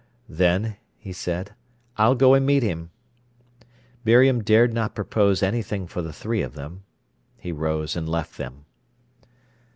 "Then," he said, "I'll go and meet him." Miriam dared not propose anything for the three of them. He rose and left them.